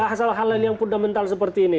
hanya hal hal yang pudah mental seperti ini